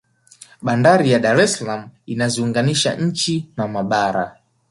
bandari ya dar es salaam inaziunganisha nchi na mabara